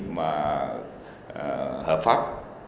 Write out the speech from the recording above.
mà hợp pháp